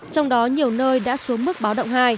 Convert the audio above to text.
trong đó nhiều nơi đã xuống mức báo động hai